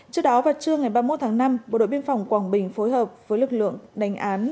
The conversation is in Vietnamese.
trước đó vào trưa ngày ba mươi một tháng năm bộ đội biên phòng quảng bình phối hợp với lực lượng đánh án